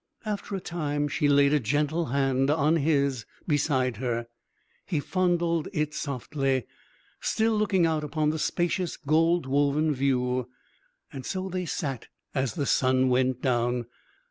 After a time she laid a gentle hand on his beside her. He fondled it softly, still looking out upon the spacious gold woven view. So they sat as the sun went down.